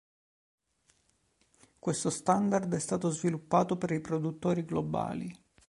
Questo standard è stato sviluppato per i produttori globali.